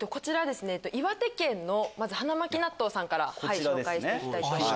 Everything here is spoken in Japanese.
岩手県の花巻納豆さんから紹介して行きたいと思います。